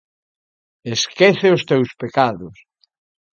Esquece os teus pecados